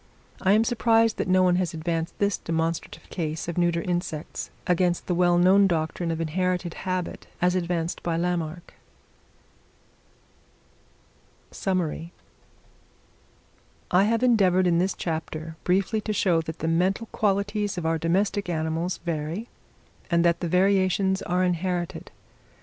I am surprised that no one has advanced this demonstrative case of neuter insects, against the well known doctrine of inherited habit, as advanced by Lamarck. Summary. I have endeavoured in this chapter briefly to show that the mental qualities of our domestic animals vary, and that the variations are inherited.